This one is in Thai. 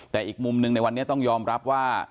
แต่อีกมุมหนึ่งในวันนี้ต้องยอมรับว่า